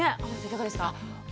いかがですか？